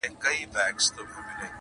د مړونو قدر کم سي چي پردي وطن ته ځینه!!